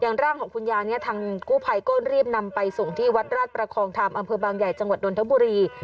ร่างของคุณยายเนี่ยทางกู้ภัยก็รีบนำไปส่งที่วัดราชประคองธรรมอำเภอบางใหญ่จังหวัดนทบุรี